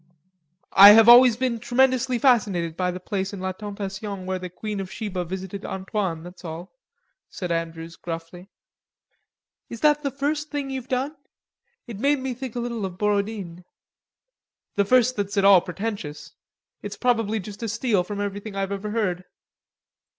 "I have always been tremendously fascinated by the place in La Tentation where the Queen of Sheba visited Antoine, that's all," said Andrews gruffly. "Is that the first thing you've done? It made me think a little of Borodine." "The first that's at all pretentious. It's probably just a steal from everything I've ever heard."